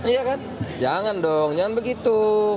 iya kan jangan dong jangan begitu